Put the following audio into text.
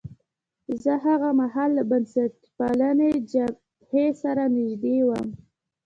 زه هاغه مهال له بنسټپالنې جبهې سره نژدې وم.